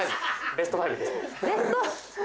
ベスト５ですね